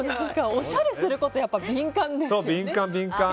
おしゃれすることは敏感ですよね。